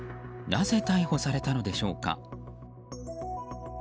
なぜ逮捕されたのでしょうか。